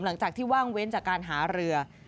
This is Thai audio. หลังจากที่ว่างเว้นจากการหาเรือ